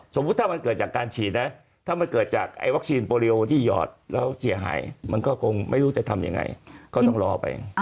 สมมุติถ้ามันเกิดจากการฉีดนะถ้ามันเกิดจากวัคซีนโปรดิโอที่หยอดแล้วเสียหายมันก็คงไม่รู้จะทำยังไงก็ต้องรอไป